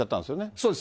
そうです。